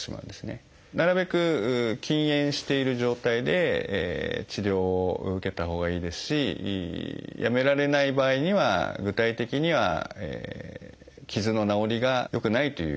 なるべく禁煙している状態で治療を受けたほうがいいですしやめられない場合には具体的には傷の治りが良くないという。